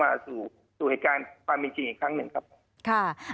ถ่ายมีจริงอีกครั้งหนึ่ง